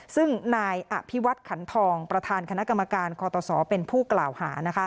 ซึ่งนายอภิวัตขันทองประธานคณะกรรมการคอตศเป็นผู้กล่าวหา